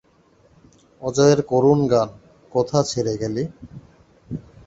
অজয়ের করুণ গান-কোথা ছেড়ে গেলি।